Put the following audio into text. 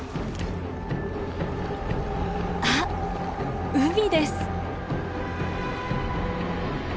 あっ海です！